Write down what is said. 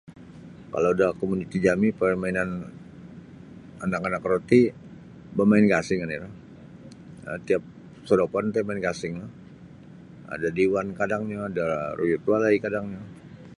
Kalau da komuniti jami parmainan anak-anak ro ti bamain gasing oni iroh um tiap sodopon ti main gasing da dewan kadangnyo da ruyut walai kadangnyo.